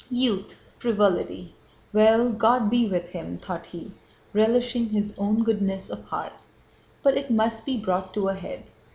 "Youth, frivolity... well, God be with him," thought he, relishing his own goodness of heart, "but it must be brought to a head.